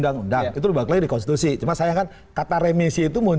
dan juga untuk kemampuan